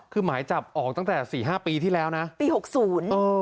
คือหมายจับออกตั้งแต่สี่ห้าปีที่แล้วนะปีหกศูนย์